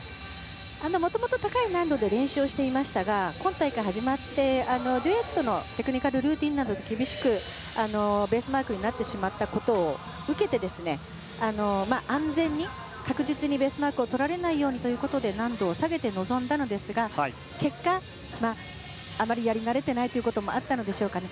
もともと高い難度で練習していましたが今大会始まって、デュエットのテクニカルルーティンなどで厳しくベースマークになってしまったことを受けて安全に確実にベースマークをとられないようにということで難度を下げて臨んだんですが結果、あまりやり慣れていないということもあったのでしょうか。